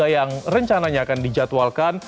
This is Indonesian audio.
yang rencananya akan dijadwalkan